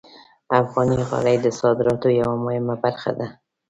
افغاني غالۍ د صادراتو یوه مهمه برخه ده.